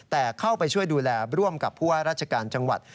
แต่เข้าไปช่วยดูแลร่วมกับผู้ว่าราชการจังหวัด